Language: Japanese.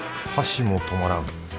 箸も止まらん。